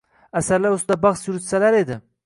Asarlar ustida bahs yuritsalar edi.